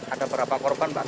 ada beberapa korban